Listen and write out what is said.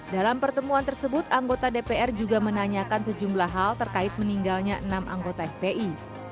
dalam pertemuan tersebut anggota dpr juga menanyakan sejumlah hal terkait meninggalnya enam anggota fpi